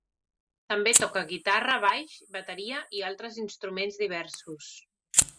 També toca guitarra, baix, bateria i altres instruments diversos.